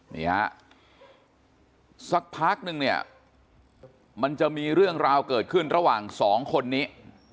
นี่ฮะสักพักนึงเนี่ยมันจะมีเรื่องราวเกิดขึ้นระหว่างสองคนนี้